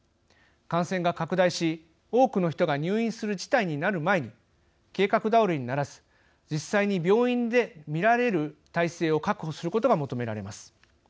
感染が拡大し多くの人が入院する事態になる前に計画倒れにならず実際に病院で診られる体制を確保することが求められます。